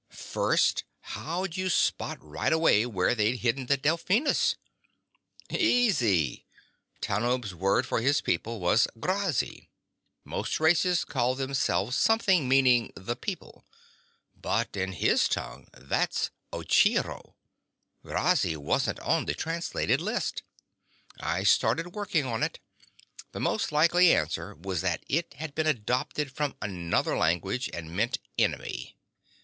"First, how'd you spot right away where they'd hidden the Delphinus?" "Easy. Tanub's word for his people was Grazzi. Most races call themselves something meaning The People. But in his tongue that's Ocheero. Grazzi wasn't on the translated list. I started working on it. The most likely answer was that it had been adopted from another language, and meant enemy."